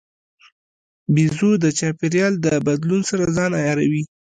بیزو د چاپېریال د بدلون سره ځان عیاروي.